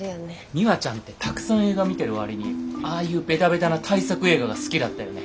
ミワちゃんってたくさん映画見てる割にああいうベタベタな大作映画が好きだったよね。